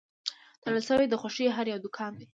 تړل شوی د خوښۍ هر یو دوکان دی